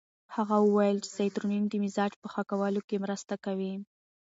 هغه وویل چې سیروتونین د مزاج په ښه کولو کې مرسته کوي.